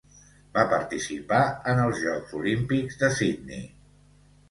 Va participar en els Jocs Olímpics de Sydney.